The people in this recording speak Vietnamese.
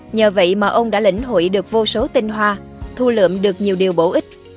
nhờ vậy mà ông đã lĩnh hội được vô số tinh hoa thu lượm được nhiều điều bổ ích